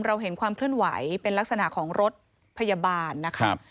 เราเห็นความเคลื่อนไหวเป็นลักษณะของรถพยาบาลนะครับ